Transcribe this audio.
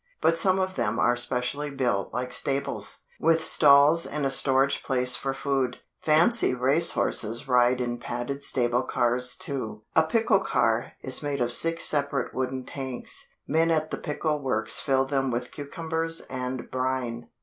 But some of them are specially built like stables, with stalls and a storage place for food. Fancy race horses ride in padded stable cars, too. A pickle car is made of six separate wooden tanks. Men at the pickle works fill them with cucumbers and brine.